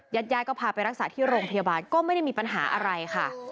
ยายก็พาไปรักษาที่โรงพยาบาลก็ไม่ได้มีปัญหาอะไรค่ะ